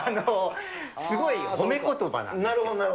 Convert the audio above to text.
すごい褒めことばなんですよ。